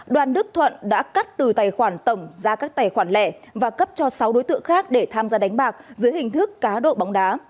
đoàn đức thuận đã cắt từ tài khoản tổng ra các tài khoản lẻ và cấp cho sáu đối tượng khác để tham gia đánh bạc dưới hình thức cá độ bóng đá